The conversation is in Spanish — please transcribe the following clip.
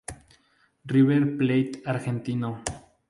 River Plate argentino.